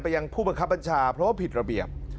ยังผู้บังคับบัญชาเพราะว่าผิดระเบียบ